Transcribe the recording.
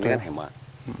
di sini kan hemat